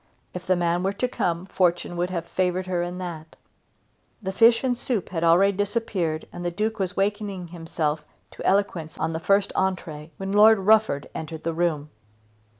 If the man were to come, fortune would have favoured her in that. The fish and soup had already disappeared and the Duke was wakening himself to eloquence on the first entrée when Lord Rufford entered the room.